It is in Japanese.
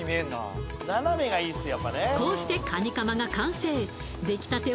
こうしてカニカマが完成出来たて